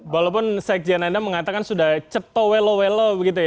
walaupun syekh jiana endam mengatakan sudah ceto welo welo begitu ya